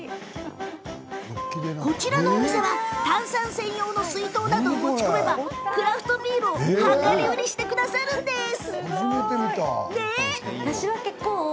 こちらのお店は炭酸専用の水筒などを持ち込めばクラフトビールを量り売りしてくださるんです。